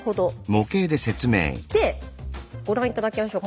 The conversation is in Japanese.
でご覧頂きましょう。